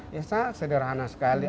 biasanya sederhana sekali